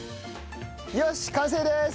よし完成です！